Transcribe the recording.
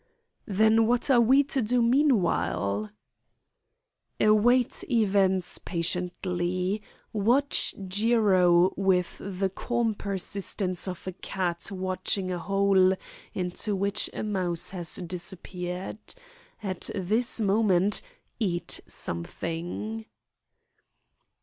"Then what are we to do meanwhile?" "Await events patiently. Watch Jiro with the calm persistence of a cat watching a hole into which a mouse has disappeared. At this moment, eat something."